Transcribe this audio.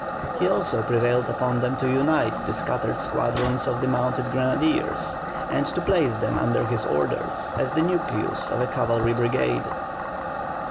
He also prevailed upon them to unite the scattered squadrons of the mounted grenadiers, and to place them under his orders, as the nucleus of a cavalry brigade.